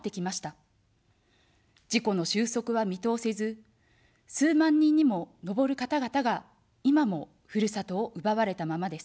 事故の収束は見通せず、数万人にものぼる方々が今もふるさとを奪われたままです。